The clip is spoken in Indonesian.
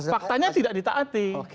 faktanya tidak ditaati